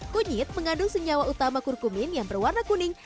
kunyit mengandung senyawa utama kurkumin yang berwarna kuning